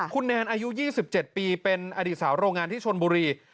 คุณแนนอายุ๒๗ปีเป็นอดีตสาวโรงงานที่ชนบุรี